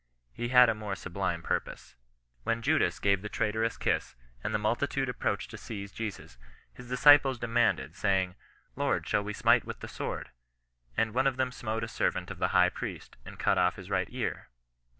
He had a more sublime purpose. When Judas gave the traitorous kiss, and the midtitude approached to seize Jesus, his disciples demanded, saying, '^ Lord, shall we smite with the sword 1 Audi one of them smote a servant of the high priest, and cut off his right ear," ver.